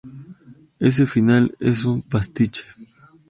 Ese final es un pastiche.